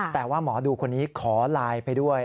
แต่ว่าหมอดูคนนี้ขอไลน์ไปด้วย